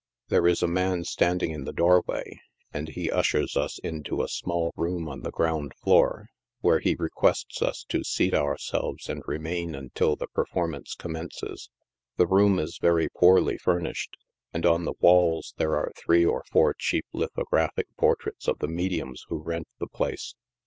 There is a man standing in the doorway, and he ushers us into a small room on the ground floor, where he requests us to seat ourselves and remain until the performance commences. The room is very poorly furnished, and on the walls there are three or four cheap lithographic portraits of the mediums who rent the place.